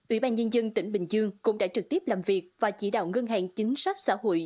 ủy ban nhân dân tp hcm cũng đã trực tiếp làm việc và chỉ đạo ngân hàng chính sách xã hội